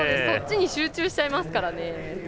そっちに集中しちゃいますからね。